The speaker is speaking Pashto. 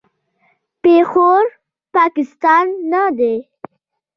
پېښور، پاکستان نه دی.